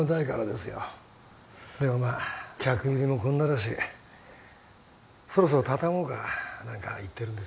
でもまあ客入りもこんなだしそろそろ畳もうかなんか言ってるんですよね。